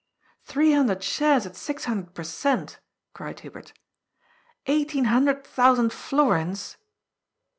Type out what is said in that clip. " Three hundred shares at six hundred per cent,," cried Hubert. "Eighteen hundred thousand florins!